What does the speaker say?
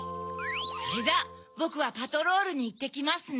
それじゃあボクはパトロールにいってきますね。